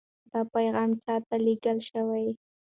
دا پیغام چا ته لېږل شوی و؟